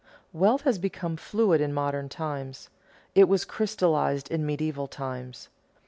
Wealth has become fluid in modern times; it was crystallized in medieval times.